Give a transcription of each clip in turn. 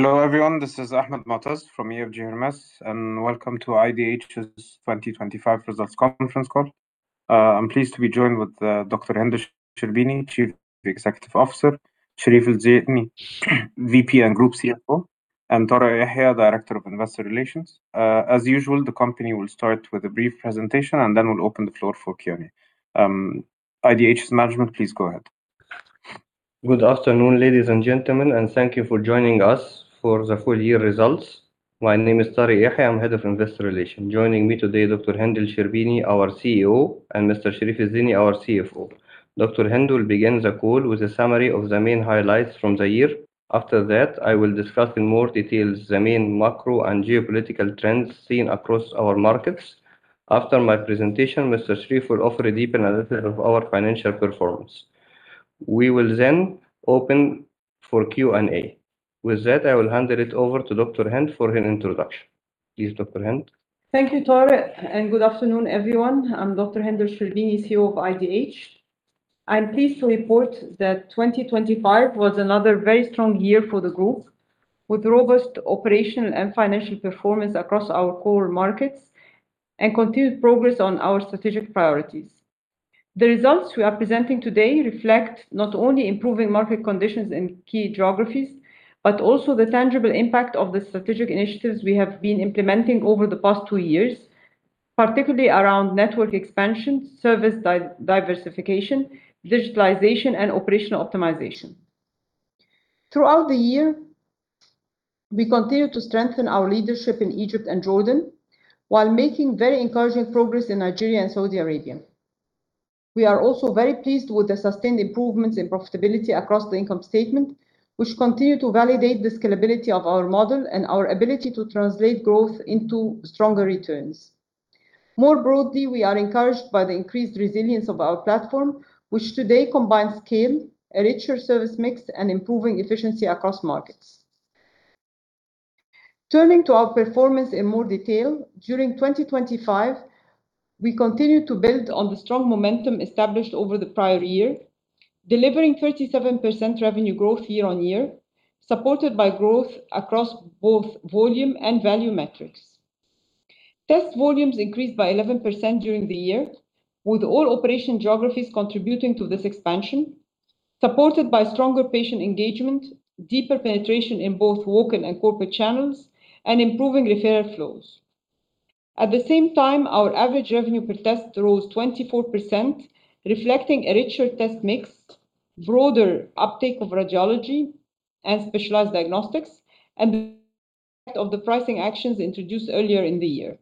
Hello, everyone. This is Ahmed Moataz from EFG Hermes, and welcome to IDH's 2025 results conference call. I'm pleased to be joined with Dr. Hend El Sherbini, Chief Executive Officer, Sherif El Zeiny, VP and Group CFO, and Tarek Yehia, Director of Investor Relations. As usual, the company will start with a brief presentation, and then we'll open the floor for Q&A. IDH's management, please go ahead. Good afternoon, ladies and gentlemen, and thank you for joining us for the full year results. My name is Tarek Yehia, I'm Head of Investor Relations. Joining me today, Dr. Hend El Sherbini, our CEO, and Mr. Sherif El Zeiny, our CFO. Dr. Hend will begin the call with a summary of the main highlights from the year. After that, I will discuss in more details the main macro and geopolitical trends seen across our markets. After my presentation, Mr. Sherif will offer a deep analysis of our financial performance. We will then open for Q&A. With that, I will hand it over to Dr. Hend for her introduction. Please, Dr. Hend. Thank you, Tarek, and good afternoon, everyone. I'm Dr. Hend El Sherbini, CEO of IDH. I'm pleased to report that 2025 was another very strong year for the group, with robust operational and financial performance across our core markets and continued progress on our strategic priorities. The results we are presenting today reflect not only improving market conditions in key geographies, but also the tangible impact of the strategic initiatives we have been implementing over the past two years, particularly around network expansion, service diversification, digitalization, and operational optimization. Throughout the year, we continued to strengthen our leadership in Egypt and Jordan while making very encouraging progress in Nigeria and Saudi Arabia. We are also very pleased with the sustained improvements in profitability across the income statement, which continue to validate the scalability of our model and our ability to translate growth into stronger returns. More broadly, we are encouraged by the increased resilience of our platform, which today combines scale, a richer service mix, and improving efficiency across markets. Turning to our performance in more detail, during 2025, we continued to build on the strong momentum established over the prior year, delivering 37% revenue growth year on year, supported by growth across both volume and value metrics. Test volumes increased by 11% during the year, with all operating geographies contributing to this expansion, supported by stronger patient engagement, deeper penetration in both walk-in and corporate channels, and improving referral flows. At the same time, our average revenue per test rose 24%, reflecting a richer test mix, broader uptake of radiology and specialized diagnostics, and of the pricing actions introduced earlier in the year.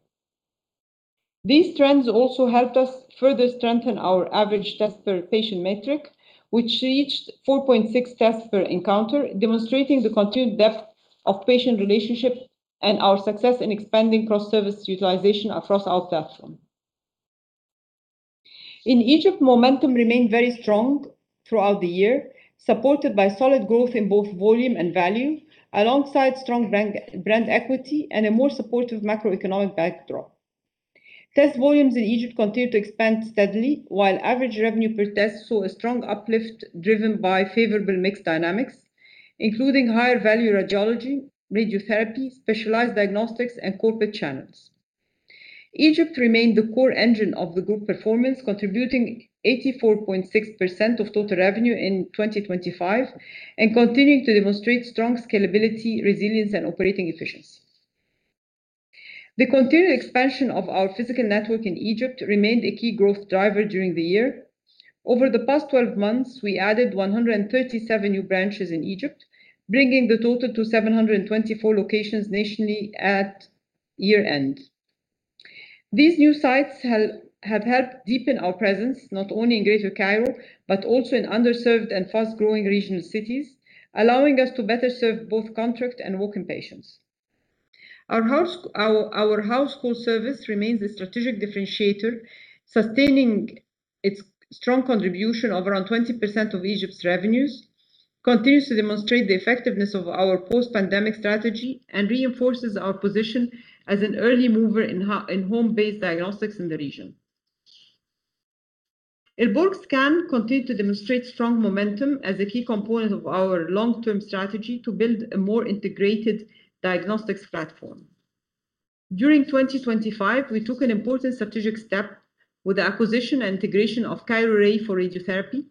These trends also helped us further strengthen our average test per patient metric, which reached 4.6 tests per encounter, demonstrating the continued depth of patient relationship and our success in expanding cross-service utilization across our platform. In Egypt, momentum remained very strong throughout the year, supported by solid growth in both volume and value, alongside strong brand equity and a more supportive macroeconomic backdrop. Test volumes in Egypt continued to expand steadily, while average revenue per test saw a strong uplift driven by favorable mix dynamics, including higher-value radiology, radiotherapy, specialized diagnostics, and corporate channels. Egypt remained the core engine of the group performance, contributing 84.6% of total revenue in 2025 and continuing to demonstrate strong scalability, resilience, and operating efficiency. The continued expansion of our physical network in Egypt remained a key growth driver during the year. Over the past 12 months, we added 137 new branches in Egypt, bringing the total to 724 locations nationally at year-end. These new sites have helped deepen our presence, not only in Greater Cairo, but also in underserved and fast-growing regional cities, allowing us to better serve both contract and walk-in patients. Our house call service remains a strategic differentiator, sustaining its strong contribution of around 20% of Egypt's revenues, continues to demonstrate the effectiveness of our post-pandemic strategy, and reinforces our position as an early mover in home-based diagnostics in the region. Al Borg Scan continued to demonstrate strong momentum as a key component of our long-term strategy to build a more integrated diagnostics platform. During 2025, we took an important strategic step with the acquisition and integration of CAIRO RAY for Radiotherapy,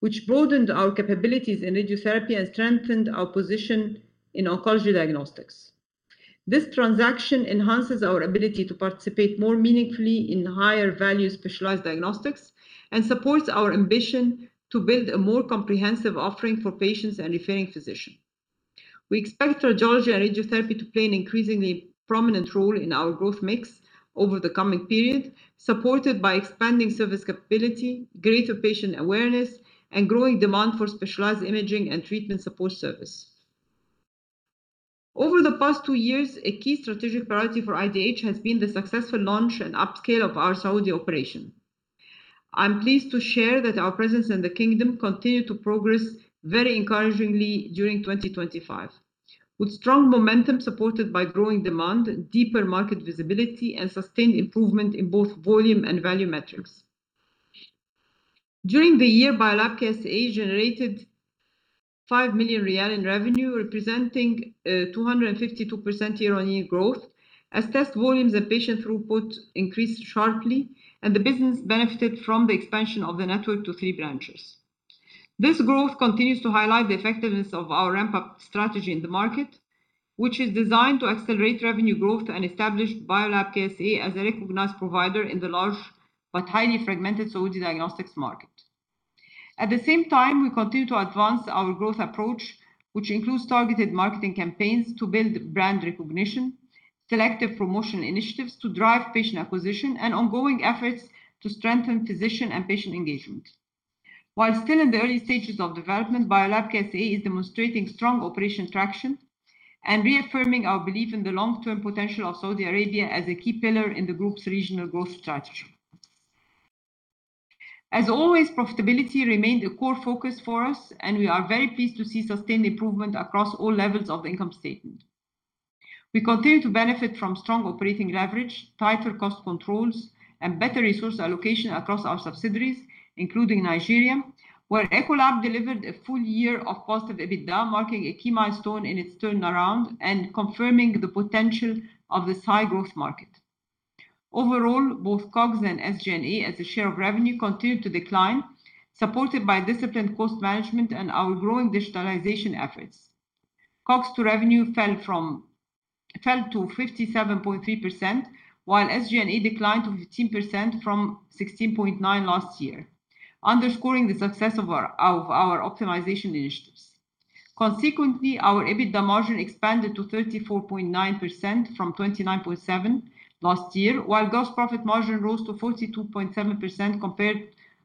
which broadened our capabilities in radiotherapy and strengthened our position in oncology diagnostics. This transaction enhances our ability to participate more meaningfully in higher-value specialized diagnostics and supports our ambition to build a more comprehensive offering for patients and referring physicians. We expect radiology and radiotherapy to play an increasingly prominent role in our growth mix over the coming period, supported by expanding service capability, greater patient awareness, and growing demand for specialized imaging and treatment support service. Over the past two years, a key strategic priority for IDH has been the successful launch and upscale of our Saudi operation. I'm pleased to share that our presence in the kingdom continued to progress very encouragingly during 2025, with strong momentum supported by growing demand, deeper market visibility, and sustained improvement in both volume and value metrics. During the year, Biolab KSA generated SAR 5 million in revenue, representing 252% year-on-year growth as test volumes and patient throughput increased sharply, and the business benefited from the expansion of the network to three branches. This growth continues to highlight the effectiveness of our ramp-up strategy in the market, which is designed to accelerate revenue growth and establish Biolab KSA as a recognized provider in the large but highly fragmented Saudi diagnostics market. At the same time, we continue to advance our growth approach, which includes targeted marketing campaigns to build brand recognition, selective promotional initiatives to drive patient acquisition, and ongoing efforts to strengthen physician and patient engagement. While still in the early stages of development, Biolab KSA is demonstrating strong operational traction and reaffirming our belief in the long-term potential of Saudi Arabia as a key pillar in the group's regional growth strategy. As always, profitability remained a core focus for us, and we are very pleased to see sustained improvement across all levels of the income statement. We continue to benefit from strong operating leverage, tighter cost controls, and better resource allocation across our subsidiaries, including Nigeria, where Echo-Lab delivered a full year of positive EBITDA, marking a key milestone in its turnaround and confirming the potential of this high-growth market. Overall, both COGS and SG&A as a share of revenue continued to decline, supported by disciplined cost management and our growing digitalization efforts. COGS to revenue fell to 57.3%, while SG&A declined to 15% from 16.9% last year, underscoring the success of our optimization initiatives. Consequently, our EBITDA margin expanded to 34.9% from 29.7% last year, while gross profit margin rose to 42.7%, compared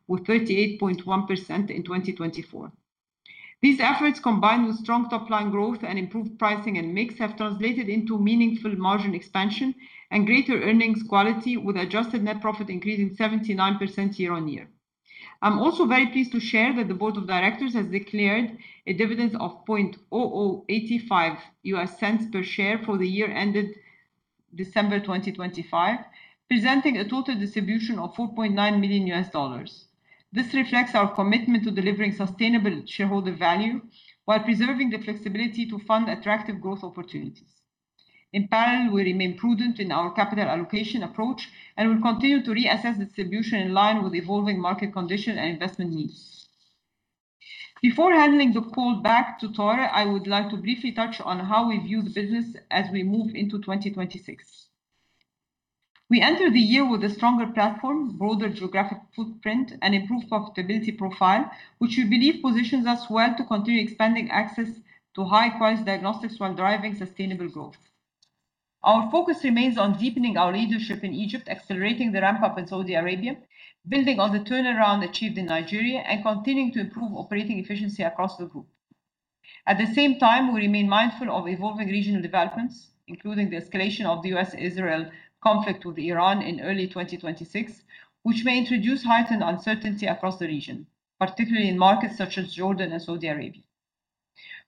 with 38.1% in 2024. These efforts, combined with strong top-line growth and improved pricing and mix, have translated into meaningful margin expansion and greater earnings quality, with adjusted net profit increasing 79% year-over-year. I'm also very pleased to share that the board of directors has declared a dividend of $0.0085 per share for the year ended December 2025, presenting a total distribution of $4.9 million. This reflects our commitment to delivering sustainable shareholder value while preserving the flexibility to fund attractive growth opportunities. In parallel, we remain prudent in our capital allocation approach and will continue to reassess distribution in line with evolving market conditions and investment needs. Before handing the call back to Tarek, I would like to briefly touch on how we view the business as we move into 2026. We enter the year with a stronger platform, broader geographic footprint, and improved profitability profile, which we believe positions us well to continue expanding access to high-price diagnostics while driving sustainable growth. Our focus remains on deepening our leadership in Egypt, accelerating the ramp-up in Saudi Arabia, building on the turnaround achieved in Nigeria, and continuing to improve operating efficiency across the group. At the same time, we remain mindful of evolving regional developments, including the escalation of the U.S.-Israel conflict with Iran in early 2026, which may introduce heightened uncertainty across the region, particularly in markets such as Jordan and Saudi Arabia.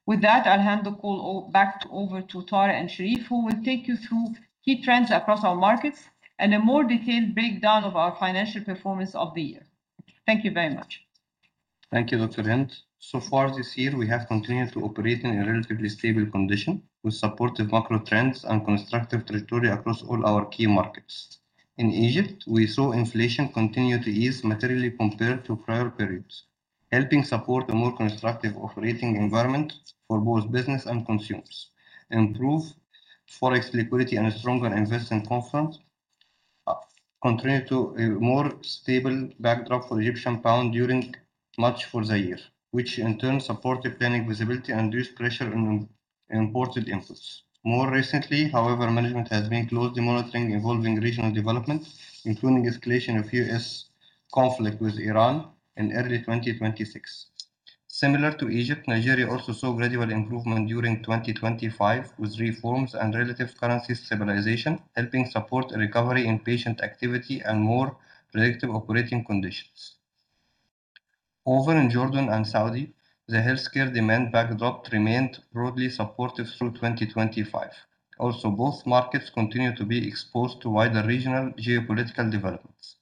With that, I'll hand the call back over to Tarek and Sherif, who will take you through key trends across our markets and a more detailed breakdown of our financial performance of the year. Thank you very much. Thank you, Dr. Hend. So far this year, we have continued to operate in a relatively stable condition with supportive macro trends and constructive territory across all our key markets. In Egypt, we saw inflation continue to ease materially compared to prior periods, helping support a more constructive operating environment for both business and consumers. Improved forex liquidity and a stronger investment confidence contributed to a more stable backdrop for the Egyptian pound during much of the year, which in turn supported planning visibility and reduced pressure on imported inputs. More recently, however, management has been closely monitoring evolving regional developments, including escalation of U.S. conflict with Iran in early 2026. Similar to Egypt, Nigeria also saw gradual improvement during 2025, with reforms and relative currency stabilization helping support a recovery in patient activity and more predictive operating conditions. Over in Jordan and Saudi, the healthcare demand backdrop remained broadly supportive through 2025. Both markets continued to be exposed to wider regional geopolitical developments.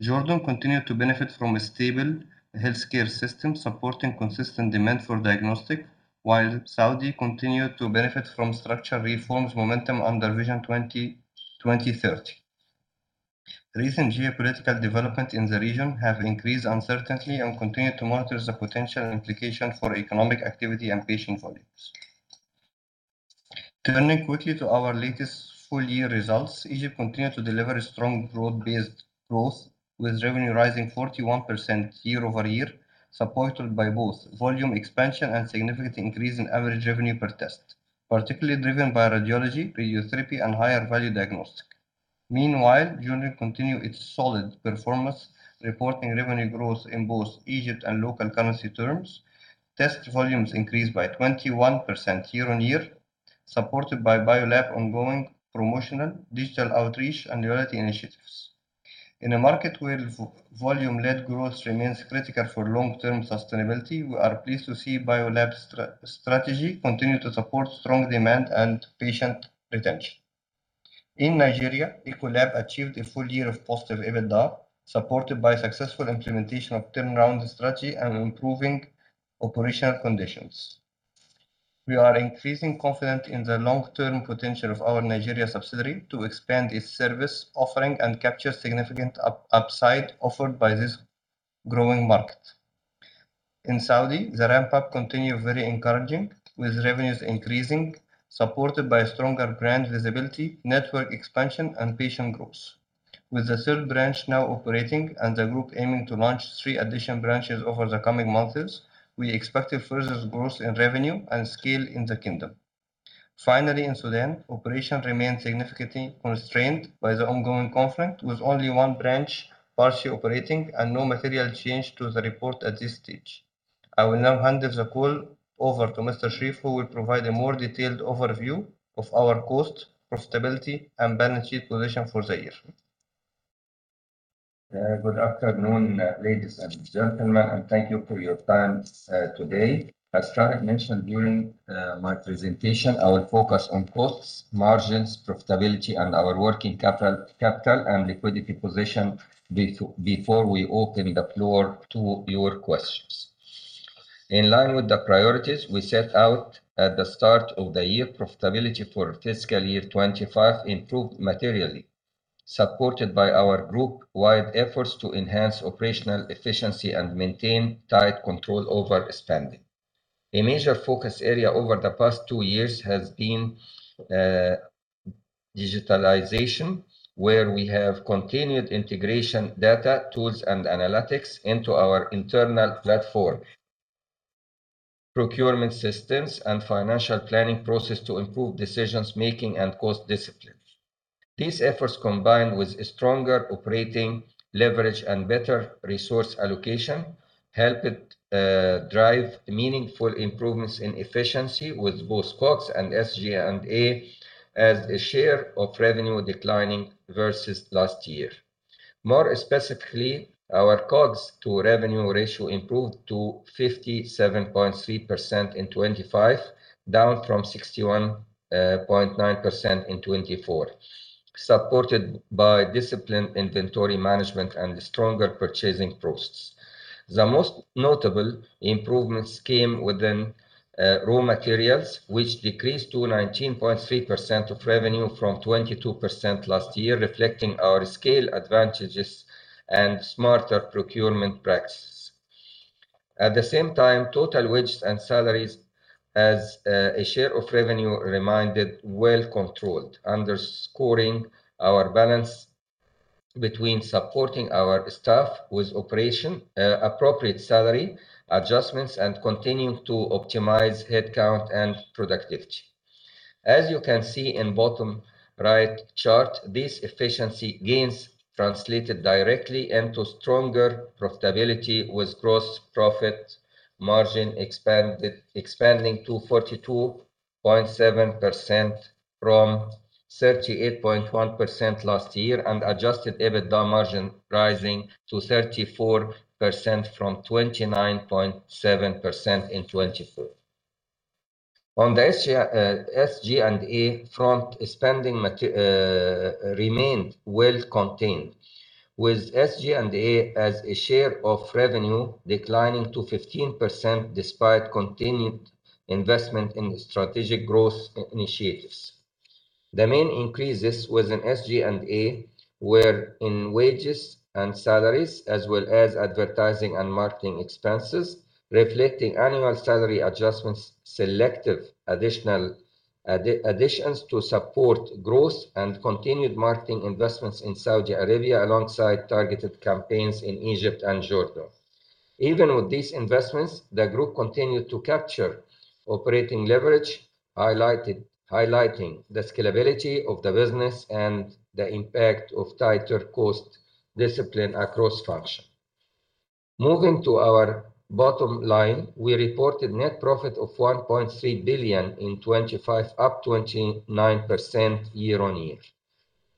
Jordan continued to benefit from a stable healthcare system, supporting consistent demand for diagnostic, while Saudi continued to benefit from structural reforms momentum under Vision 2030. Recent geopolitical developments in the region have increased uncertainty and continue to monitor the potential implications for economic activity and patient volumes. Turning quickly to our latest full-year results, Egypt continued to deliver strong growth with revenue rising 41% year-over-year, supported by both volume expansion and significant increase in average revenue per test, particularly driven by radiology, radiotherapy, and higher value diagnostic. Meanwhile, Jordan continued its solid performance, reporting revenue growth in both EGP and local currency terms. Test volumes increased by 21% year-over-year, supported by Biolab ongoing promotional, digital outreach, and loyalty initiatives. In a market where volume-led growth remains critical for long-term sustainability, we are pleased to see Biolab's strategy continue to support strong demand and patient retention. In Nigeria, Echo-Lab achieved a full year of positive EBITDA, supported by successful implementation of turnaround strategy and improving operational conditions. We are increasingly confident in the long-term potential of our Nigeria subsidiary to expand its service offering and capture significant upside offered by this growing market. In Saudi, the ramp-up continues very encouraging, with revenues increasing, supported by stronger brand visibility, network expansion, and patient growth. With the third branch now operating and the group aiming to launch three additional branches over the coming months, we expect further growth in revenue and scale in the kingdom. Finally, in Sudan, operations remain significantly constrained by the ongoing conflict, with only one branch partially operating and no material change to the report at this stage. I will now hand the call over to Mr. Sherif, who will provide a more detailed overview of our cost, profitability and balance sheet position for the year. Good afternoon, ladies and gentlemen, and thank you for your time today. As Tarek mentioned during my presentation, I will focus on costs, margins, profitability, and our working capital and liquidity position before we open the floor to your questions. In line with the priorities we set out at the start of the year, profitability for fiscal year 2025 improved materially, supported by our groupwide efforts to enhance operational efficiency and maintain tight control over spending. A major focus area over the past two years has been digitalization, where we have continued integrating data tools and analytics into our internal platform, procurement systems, and financial planning process to improve decision making and cost discipline. These efforts, combined with stronger operating leverage and better resource allocation, helped drive meaningful improvements in efficiency with both COGS and SG&A as a share of revenue declining versus last year. More specifically, our COGS to revenue ratio improved to 57.3% in 2025, down from 61.9% in 2024, supported by disciplined inventory management and stronger purchasing processes. The most notable improvements came within raw materials, which decreased to 19.3% of revenue from 22% last year, reflecting our scale advantages and smarter procurement practices. At the same time, total wages and salaries as a share of revenue remained well controlled, underscoring our balance between supporting our staff with appropriate salary adjustments and continuing to optimize headcount and productivity. As you can see in bottom right chart, these efficiency gains translated directly into stronger profitability with gross profit margin expanding to 42.7% from 38.1% last year, and adjusted EBITDA margin rising to 34% from 29.7% in 2024. On the SG&A front, spending remained well contained, with SG&A as a share of revenue declining to 15% despite continued investment in strategic growth initiatives. The main increases within SG&A were in wages and salaries, as well as advertising and marketing expenses, reflecting annual salary adjustments, selective additions to support growth, and continued marketing investments in Saudi Arabia alongside targeted campaigns in Egypt and Jordan. Even with these investments, the group continued to capture operating leverage, highlighting the scalability of the business and the impact of tighter cost discipline across functions. Moving to our bottom line, we reported net profit of 1.3 billion in 2025, up 29% year-over-year.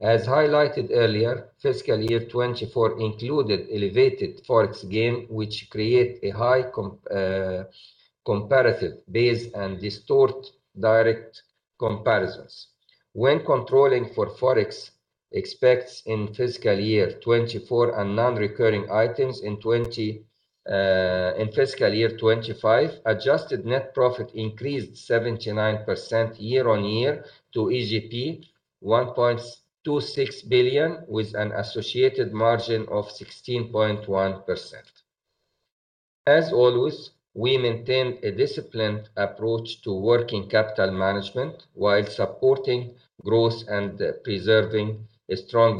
As highlighted earlier, fiscal year 2024 included elevated Forex gain, which creates a high comparative base and distorts direct comparisons. When controlling for Forex effects in fiscal year 2024 and non-recurring items in fiscal year 2025, adjusted net profit increased 79% year-over-year to EGP 1.26 billion, with an associated margin of 16.1%. As always, we maintain a disciplined approach to working capital management while supporting growth and preserving strong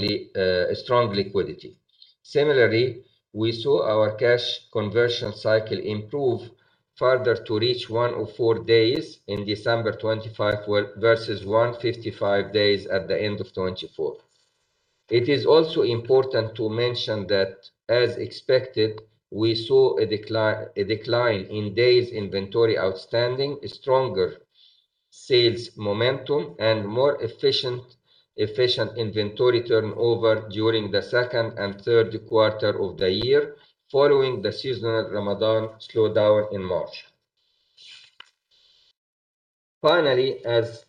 liquidity. Similarly, we saw our cash conversion cycle improve further to reach 104 days in December 2025, versus 155 days at the end of 2024. It is also important to mention that, as expected, we saw a decline in days inventory outstanding, stronger sales momentum, and more efficient inventory turnover during the second and third quarter of the year, following the seasonal Ramadan slowdown in March. Finally, as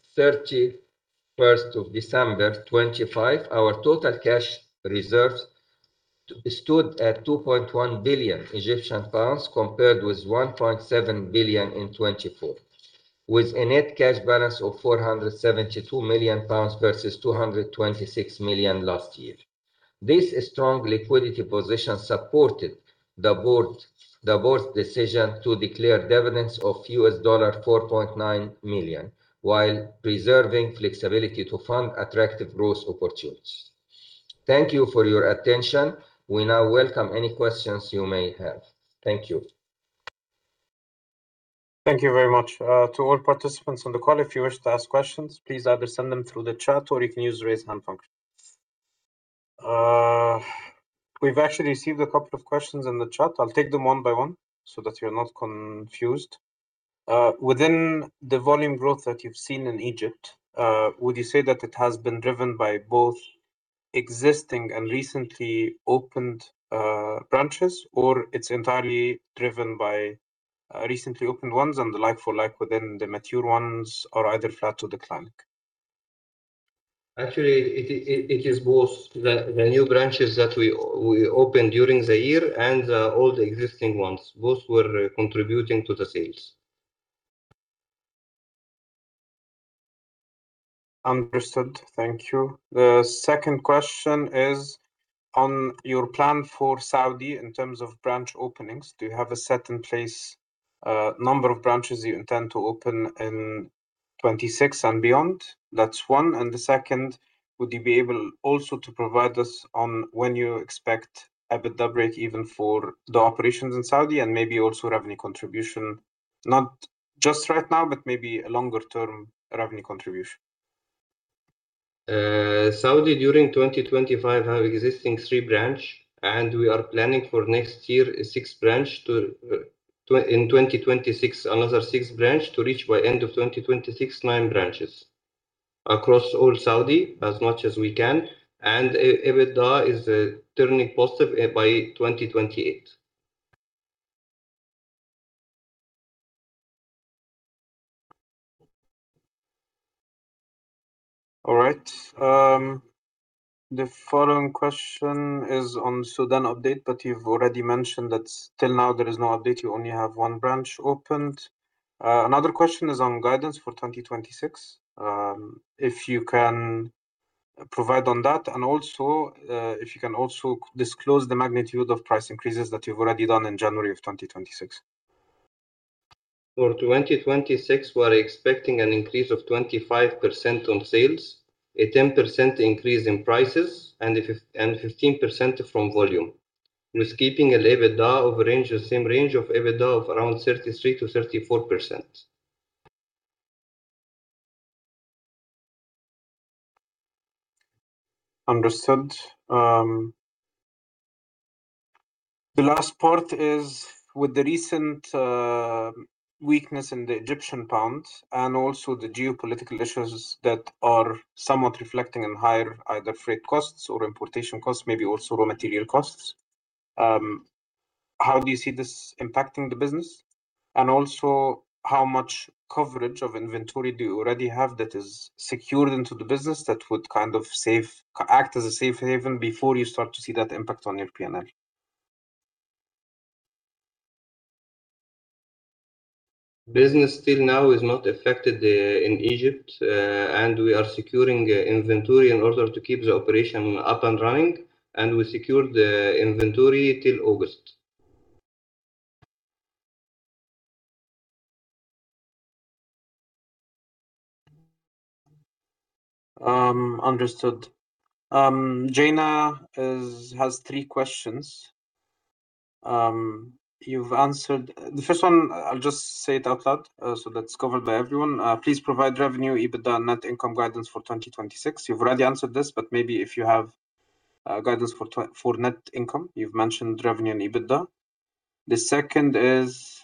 of December 31, 2025, our total cash reserves stood at 2.1 billion Egyptian pounds, compared with 1.7 billion in 2024, with a net cash balance of 472 million pounds versus 226 million last year. This strong liquidity position supported the board's decision to declare dividends of $4.9 million while preserving flexibility to fund attractive growth opportunities. Thank you for your attention. We now welcome any questions you may have. Thank you. Thank you very much. To all participants on the call, if you wish to ask questions, please either send them through the chat or you can use the raise hand function. We've actually received a couple of questions in the chat. I'll take them one by one so that you're not confused. Within the volume growth that you've seen in Egypt, would you say that it has been driven by both existing and recently opened branches, or it's entirely driven by recently opened ones and the like-for-like within the mature ones are either flat to decline? Actually, it is both the new branches that we opened during the year and all the existing ones, both were contributing to the sales. Understood. Thank you. The second question is on your plan for Saudi in terms of branch openings. Do you have a set in place number of branches you intend to open in 2026 and beyond? That's one. The second, would you be able also to provide us on when you expect EBITDA break even for the operations in Saudi and maybe also revenue contribution, not just right now, but maybe a longer-term revenue contribution? Saudi during 2025, we have existing three branches, and we are planning for next year six branches. In 2026, another six branches to reach by end of 2026, nine branches across all Saudi as much as we can, and EBITDA is turning positive by 2028. All right. The following question is on Sudan update, but you've already mentioned that till now there is no update. You only have one branch opened. Another question is on guidance for 2026. If you can provide on that and also if you can also disclose the magnitude of price increases that you've already done in January of 2026. For 2026, we are expecting an increase of 25% on sales, a 10% increase in prices, and 15% from volume, thus keeping EBITDA same range of EBITDA of around 33%-34%. Understood. The last part is with the recent weakness in the Egyptian pounds and also the geopolitical issues that are somewhat reflecting in higher either freight costs or importation costs, maybe also raw material costs. How do you see this impacting the business? How much coverage of inventory do you already have that is secured into the business that would act as a safe haven before you start to see that impact on your P&L? Business till now is not affected in Egypt. We are securing inventory in order to keep the operation up and running. We secured the inventory till August. Understood. Jaina has three questions. You've answered the first one. I'll just say it out loud so that it's covered by everyone. Please provide revenue, EBITDA, and net income guidance for 2026. You've already answered this, but maybe if you have guidance for net income. You've mentioned revenue and EBITDA. The second is.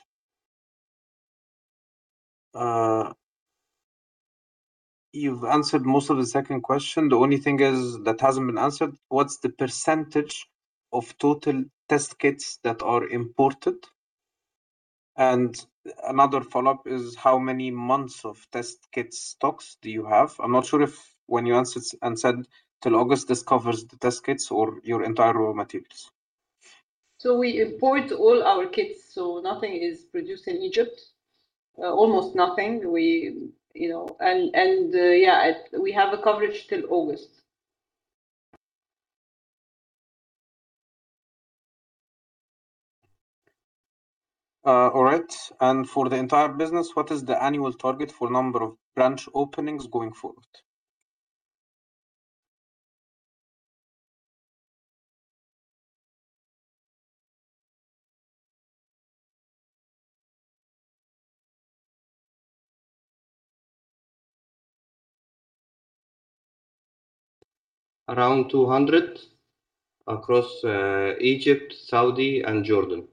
You've answered most of the second question. The only thing is that hasn't been answered, what's the percentage of total test kits that are imported? And another follow-up is how many months of test kit stocks do you have? I'm not sure if when you answered and said till August, this covers the test kits or your entire raw materials. We import all our kits, so nothing is produced in Egypt. Almost nothing. Yeah, we have a coverage till August. All right. For the entire business, what is the annual target for number of branch openings going forward? Around 200 across Egypt, Saudi, and Jordan.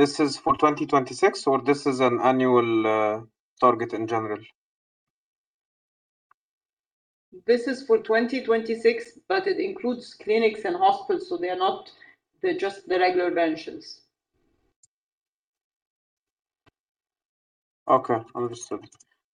This is for 2026 or this is an annual target in general? This is for 2026, but it includes clinics and hospitals, so they're not just the regular branches. Okay, understood.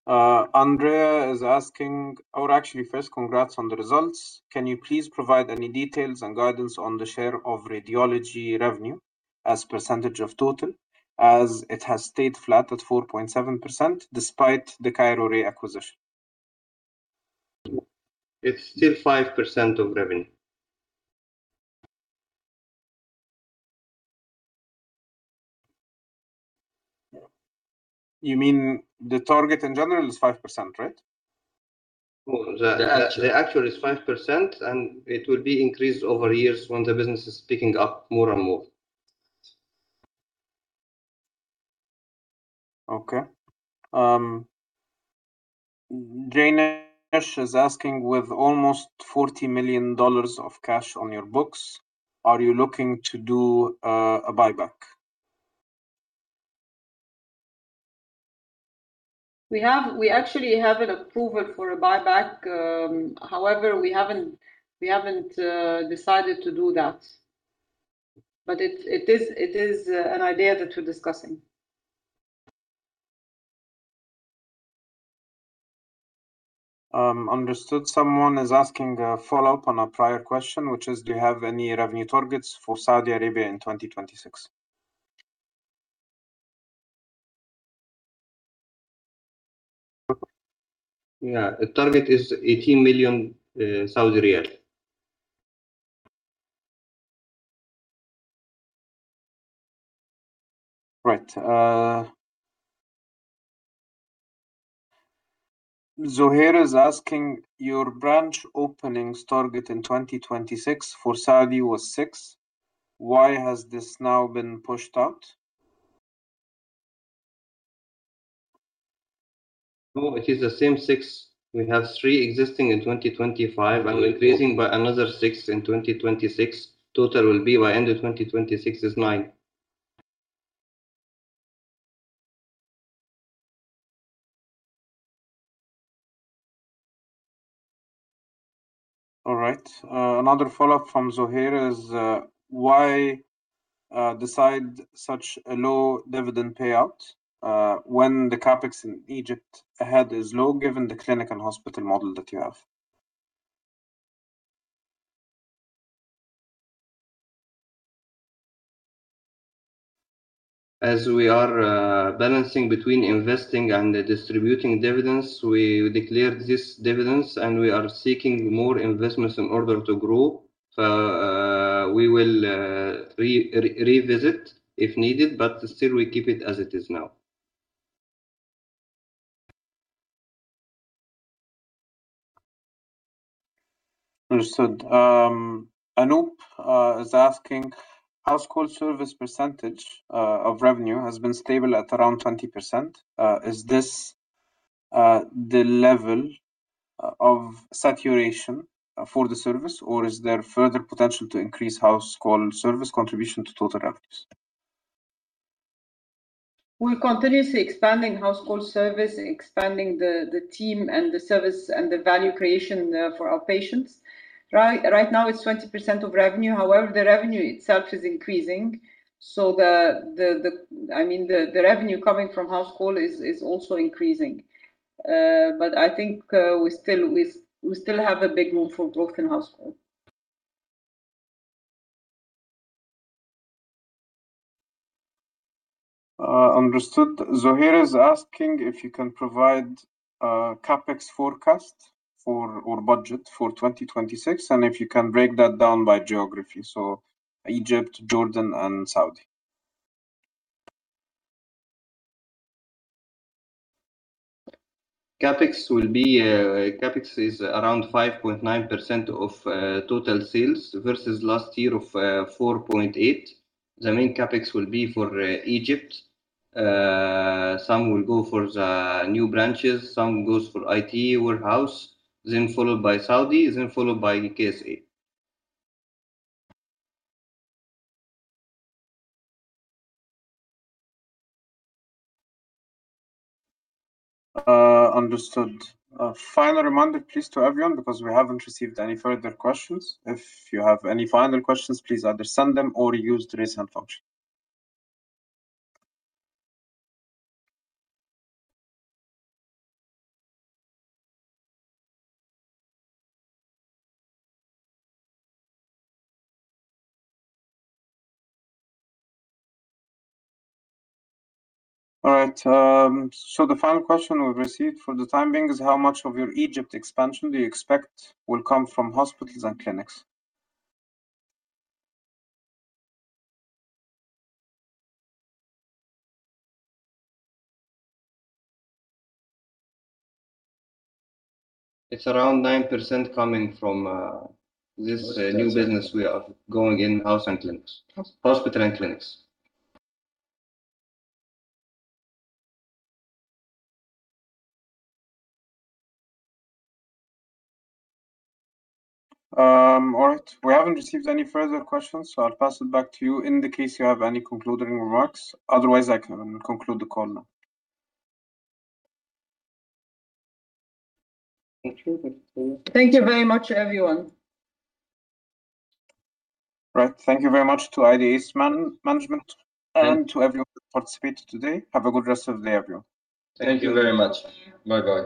Andria is asking, or actually, first, congrats on the results. Can you please provide any details and guidance on the share of radiology revenue as percentage of total, as it has stayed flat at 4.7% despite the CAIRO RAY acquisition? It's still 5% of revenue. You mean the target, in general, is 5%, right? The actual is 5%, and it will be increased over years once the business is picking up more and more. Okay. Danesh is asking, with almost $40 million of cash on your books, are you looking to do a buyback? We actually have an approval for a buyback. However, we haven't decided to do that. It is an idea that we're discussing. Understood. Someone is asking a follow-up on a prior question, which is, do you have any revenue targets for Saudi Arabia in 2026? Yeah, the target is 18 million Saudi riyal. Right. Zuhair is asking, your branch openings target in 2026 for Saudi was six. Why has this now been pushed out? No, it is the same six. We have three existing in 2025, and we're increasing by another six in 2026. Total will be by end of 2026 is nine. All right. Another follow-up from Zuhair is, why decide such a low dividend payout when the CapEx in Egypt ahead is low, given the clinic and hospital model that you have? As we are balancing between investing and distributing dividends, we declared this dividend, and we are seeking more investments in order to grow. We will revisit if needed, but still we keep it as it is now. Understood. Anup is asking, house call service percentage of revenue has been stable at around 20%. Is this the level of saturation for the service, or is there further potential to increase house call service contribution to total revenues? We're continuously expanding house call service, expanding the team and the service and the value creation for our patients. Right now, it's 20% of revenue. However, the revenue itself is increasing. The revenue coming from house call is also increasing. I think we still have a big room for growth in house call. Understood. Zuhair is asking if you can provide CapEx forecast or budget for 2026, and if you can break that down by geography, so Egypt, Jordan, and Saudi. CapEx is around 5.9% of total sales, versus last year of 4.8%. The main CapEx will be for Egypt. Some will go for the new branches, some goes for IT, warehouse, then followed by Saudi, then followed by KSA. Understood. A final reminder, please, to everyone, because we haven't received any further questions. If you have any final questions, please either send them or use the Raise Hand function. All right. The final question we've received for the time being is, how much of your Egypt expansion do you expect will come from hospitals and clinics? It's around 9% coming from this new business we are going in house and clinics. Hospital and clinics. All right. We haven't received any further questions, so I'll pass it back to you in the case you have any concluding remarks. Otherwise, I can conclude the call now. Thank you. Thank you very much, everyone. Right. Thank you very much to IDH management and to everyone who participated today. Have a good rest of the day, everyone. Thank you very much. Bye-bye.